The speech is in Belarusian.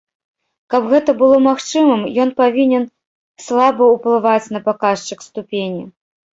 Каб гэта было магчымым, ён павінен слаба ўплываць на паказчык ступені.